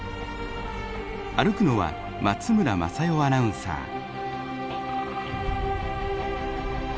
歩くのは松村正代アナウンサー。